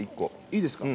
いいですか？